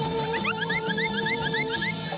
สวัสดีครับ